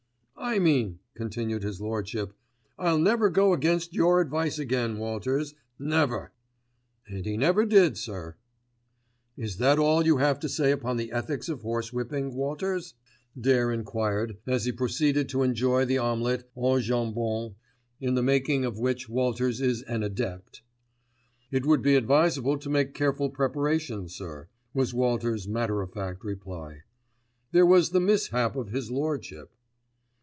"'I mean,' continued his Lordship, 'I'll never go against your advice again, Walters, never!' "And he never did, sir." "Is that all you have to say upon the ethics of horsewhipping, Walters?" Dare enquired as he proceeded to enjoy the omelette au jambon, in the making of which Walters is an adept. "It would be advisable to make careful preparation, sir," was Walters' matter of fact reply. "There was the mishap of his Lordship."